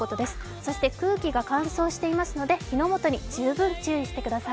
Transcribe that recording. そして空気が乾燥していますので火の元に十分注意してください。